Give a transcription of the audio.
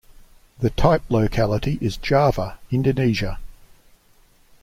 The type locality is Java, Indonesia.